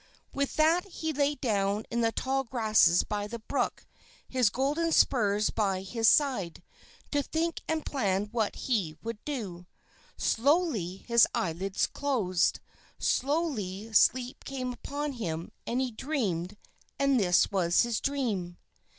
With that he lay down in the tall grasses by the brook, his golden spurs by his side, to think and plan what he would do. Slowly his eyelids closed; slowly sleep came upon him and he dreamed, and this was his dream.